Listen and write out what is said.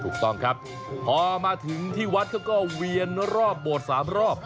ถูกต้องครับพอมาถึงที่วัดเขาก็เวียนรอบโบสถ์๓รอบ